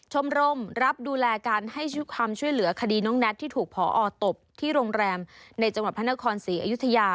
ชมรมรับดูแลการให้ความช่วยเหลือคดีน้องแน็ตที่ถูกพอตบที่โรงแรมในจังหวัดพระนครศรีอยุธยา